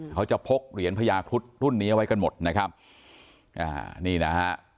เขาจะพกเหรียญพระยาครุฑรุ่นนี้ไว้กันหมดนะครับนี่นะฮะ